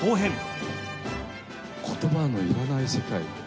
言葉のいらない世界。